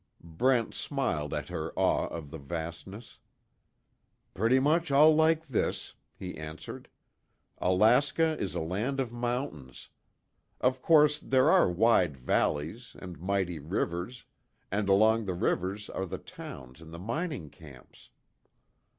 Brent smiled at her awe of the vastness: "Pretty much all like this," he answered. "Alaska is a land of mountains. Of course there are wide valleys, and mighty rivers, and along the rivers are the towns and the mining camps."